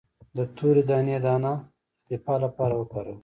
د تورې دانې دانه د دفاع لپاره وکاروئ